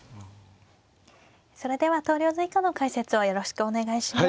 それでは投了図以下の解説をよろしくお願いします。